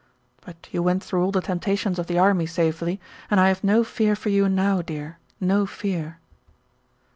But you went through all the temptations of the army safely, and I have no fear for you now, dear, no fear."